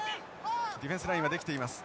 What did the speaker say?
ディフェンスラインはできています。